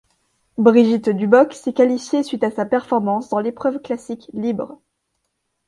Brigitte Duboc s'est qualifiée suite à sa performance dans l'épreuve classique libre.